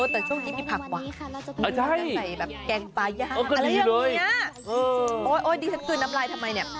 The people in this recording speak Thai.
แต่ช่วงนี้มีผักหวังใส่แบบแกงปลาย่างอะไรอย่างนี้นะโอ๊ยดีสักทีน้ำไรทำไม